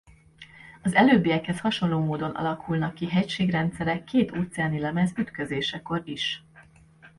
Az előbbiekhez hasonló módon alakulnak ki hegységrendszerek két óceáni lemez ütközésekor is.